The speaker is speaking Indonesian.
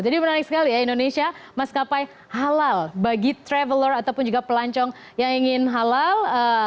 jadi menarik sekali ya indonesia maskapai halal bagi traveler ataupun juga pelancong yang ingin halal